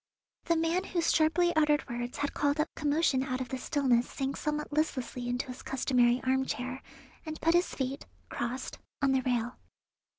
The man whose sharply uttered words had called up commotion out of the stillness sank somewhat listlessly into his customary armchair, and put his feet, crossed, on the rail.